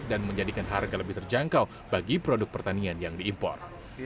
dan menjadikan harga lebih terjangkau bagi produk pertanian yang diimpor